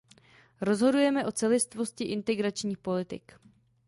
Rozhodujeme o celistvosti integračních politik.